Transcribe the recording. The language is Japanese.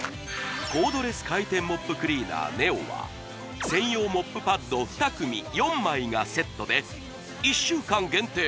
コードレス回転モップクリーナーＮｅｏは専用モップパッド２組４枚がセットで１週間限定